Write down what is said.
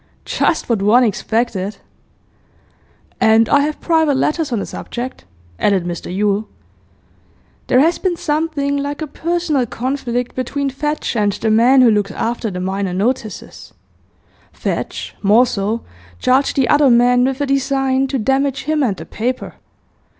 'Just what one expected!' 'And I have private letters on the subject,' added Mr Yule. 'There has been something like a personal conflict between Fadge and the man who looks after the minor notices. Fadge, more so, charged the other man with a design to damage him and the paper.